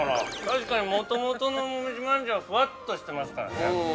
確かに、もともとのもみじ饅頭はふわっとしていますからね。